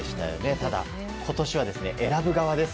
ただ、今年は選ぶ側です。